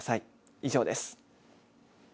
以上です。